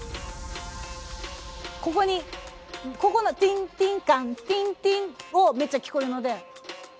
ここにここの「ティンティンカンティンティン」をめっちゃ聞こえるので。